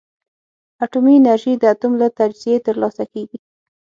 اټومي انرژي د اتوم له تجزیې ترلاسه کېږي.